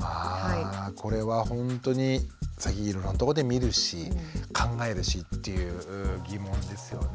あこれはほんとに最近いろんなとこで見るし考えるしっていう疑問ですよね。